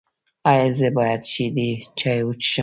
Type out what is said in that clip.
ایا زه باید شیدې چای وڅښم؟